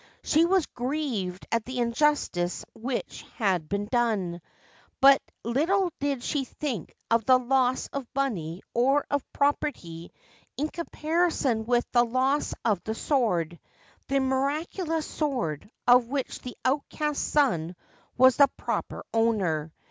She was grieved at the injustice which had been done ; but little did she think of the loss of money or of property in comparison with the loss of the sword, the miraculous sword, of which the outcast son was the proper owner.